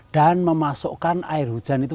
dan memasukkan air hujan itu